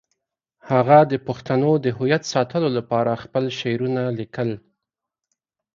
هغه د پښتنو د هویت ساتلو لپاره خپل شعرونه لیکل.